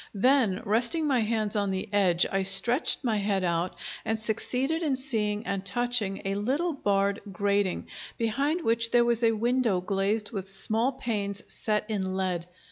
Then resting my hands on the edge, I stretched my head out and succeeded in seeing and touching a little barred grating, behind which there was a window glazed with small panes set in lead.